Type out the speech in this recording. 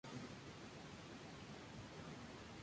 El incidente no fue emitido.